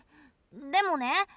でもね